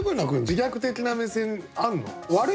自虐的な目線あんの？